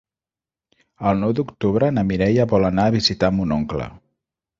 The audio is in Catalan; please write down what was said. El nou d'octubre na Mireia vol anar a visitar mon oncle.